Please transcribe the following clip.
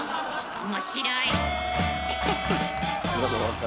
面白い。